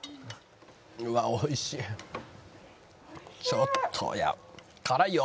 ちょっと辛いよ。